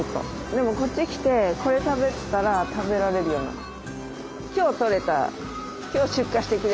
でもこっち来てこれ食べてたら食べられるようになった。